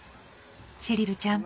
シェリルちゃん